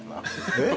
えっ？